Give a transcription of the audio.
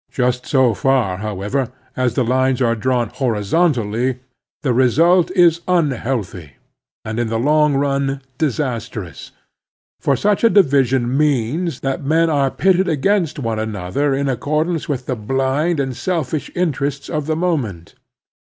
Just so far, however, as the lines are drawn horizontally, the result is unhealthy, and in the long run disastrous, for such a division means that men are pitted against one another in accordance with the blind and selfish interests of the moment.